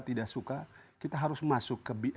tidak suka kita harus masuk ke